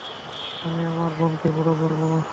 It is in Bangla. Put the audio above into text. আমি আমার বোনকে বড় করবো।